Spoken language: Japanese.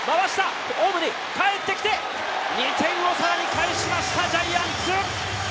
ホームにかえってきて、２点をさらに返しました、ジャイアンツ！